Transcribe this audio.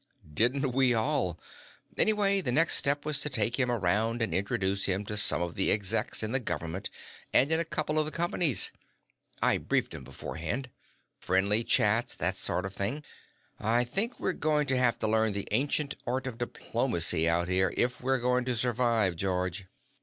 "Didn't we all? Anyway, the next step was to take him around and introduce him to some of the execs in the government and in a couple of the Companies I briefed 'em beforehand. Friendly chats that sort of thing. I think we're going to have to learn the ancient art of diplomacy out here if we're going to survive, George.